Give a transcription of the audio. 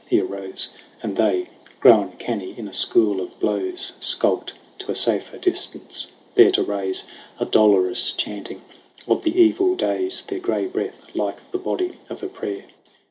He arose ; And they, grown canny in a school of blows, Skulked to a safer distance, there to raise A dolorous chanting of the evil days, Their gray breath like the body of a prayer.